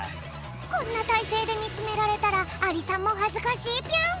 こんなたいせいでみつめられたらアリさんもはずかしいぴょん。